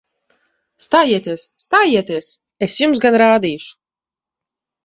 Stājieties! Stājieties! Es jums gan rādīšu!